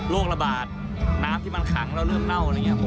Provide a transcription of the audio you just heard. ระบาดน้ำที่มันขังแล้วเริ่มเน่าอะไรอย่างนี้